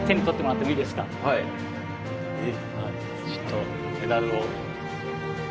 ちょっとメダルを。